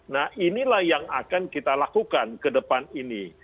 nah inilah yang akan kita lakukan ke depan ini